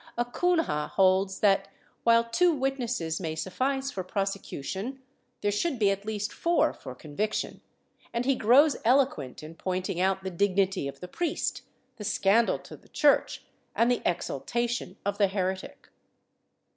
A Cunha holds that, while two witnesses may suffice for prosecution, there should be at least four for conviction, and he grows eloquent in pointing out the dignity of the priest, the scandal to the Church and the exul tation of the heretic.